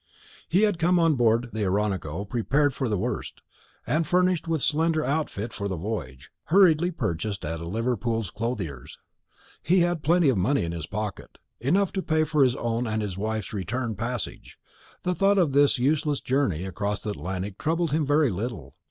He had come on board the Oronoco prepared for the worst, and furnished with a slender outfit for the voyage, hurriedly purchased at a Liverpool clothier's. He had plenty of money in his pocket enough to pay for his own and his wife's return passage; and the thought of this useless journey across the Atlantic troubled him very little.